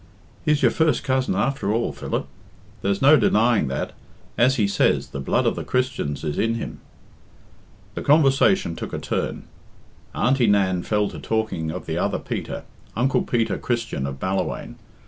"He's your first cousin after all, Philip. There's no denying that. As he says, the blood of the Christians is in him." The conversation took a turn. Auntie Nan fell to talking of the other Peter, uncle Peter Christian of Ballawhaine.